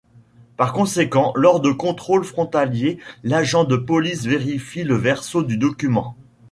Par conséquent lors de contrôles frontaliers, l'agent de Police vérifie le verso du document.